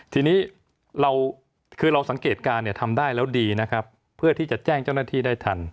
ทีนี้เราคือเราสังเกตการณ์เนี่ยทำได้แล้วดีนะครับเพื่อที่จะแจ้งเจ้าหน้าที่ได้ทัน